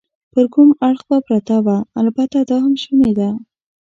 پر کوم اړخ به پرته وه؟ البته دا هم شونې وه.